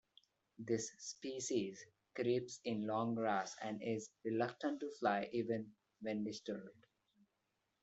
This species creeps in long grass, and is reluctant to fly even when disturbed.